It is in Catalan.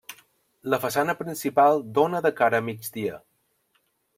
La façana principal dóna de cara a migdia.